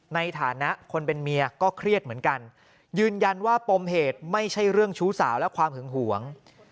ในฐานะคนเป็นเมียก็เครียดเหมือนกันยืนยันว่าปมเหตุไม่ใช่เรื่องชู้สาวและความหึงหวง